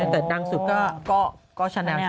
อ๋อแต่ดังสุดก็ชะแนวช่วงหลัง